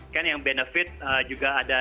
kan yang benefit juga ada